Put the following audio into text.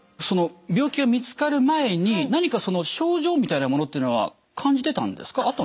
その病気が見つかる前に何か症状みたいなものっていうのは感じてたんですか？